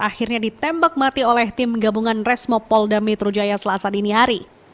akhirnya ditembak mati oleh tim gabungan resmo pol damitru jaya selasa dinihari